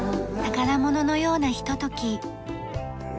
宝物のようなひととき。